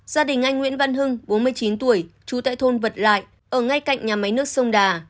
gia đình anh nguyễn văn hưng bốn mươi chín tuổi trú tại thôn vật lại ở ngay cạnh nhà máy nước sông đà